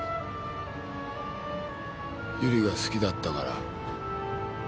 由理が好きだったから。